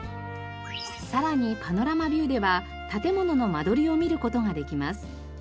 さらにパノラマビューでは建物の間取りを見る事ができます。